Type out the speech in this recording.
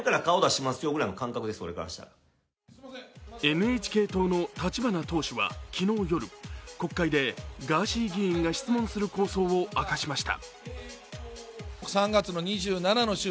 ＮＨＫ党の立花党首は、昨日夜、国会でガーシー議員が質問する構想を明かしました。